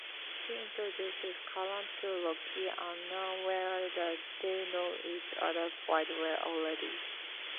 She introduces Karan to Rocky, unaware that they know each other quite well already!